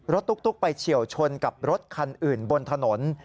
ตุ๊กไปเฉียวชนกับรถคันอื่นบนถนน